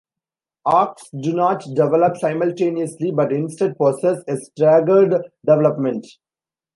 Arches do not develop simultaneously but instead possess a "staggered" development.